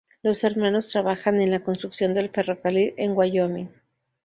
Los hermanos trabajan en la construcción del ferrocarril en Wyoming.